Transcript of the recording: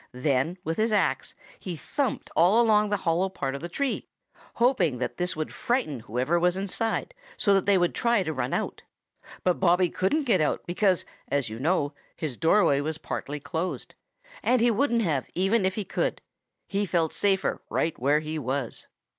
Then with his axe he thumped all along the hollow part of the tree, hoping that this would frighten whoever was inside so that they would try to run out. But Bobby couldn't get out because, as you know, his doorway was partly closed, and he wouldn't have even it he could; he felt safer right where he was.